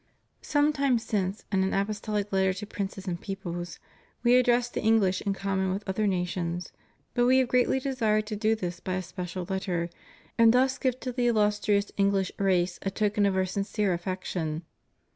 Some time since, in an apostolic letter to princes and peoples, We addressed the English in common with other nations, but We have greatly desired to do this by a special letter, and thus give to the illustrious English race a token of Our sincere affection.